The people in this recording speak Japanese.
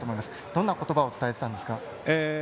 どんな言葉を伝えてたんですか？